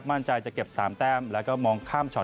มั่นใจจะเก็บ๓แต้มแล้วก็มองข้ามช็อ